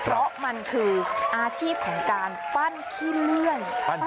เพราะมันคืออาชีพของการปั้นขี้เลื่อน